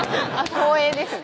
「光栄ですね」